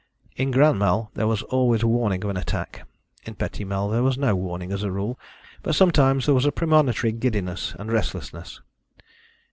In grand mal there was always warning of an attack, in petit mal there was no warning as a rule, but sometimes there was premonitory giddiness and restlessness.